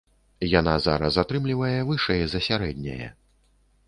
Яна зараз атрымлівае вышэй за сярэдняе.